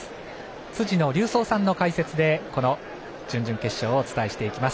辻野隆三さんの解説でこの準々決勝をお伝えしていきます。